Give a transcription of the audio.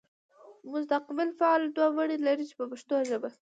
مستقبل فعل دوه بڼې لري په پښتو ژبه.